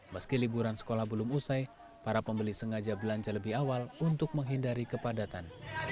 meski liburan sekolah belum usai para pembeli sengaja belanja lebih awal untuk menghindari kepadatan